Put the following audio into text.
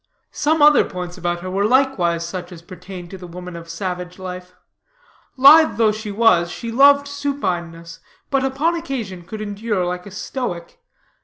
Some other points about her were likewise such as pertain to the women of savage life. Lithe though she was, she loved supineness, but upon occasion could endure like a stoic.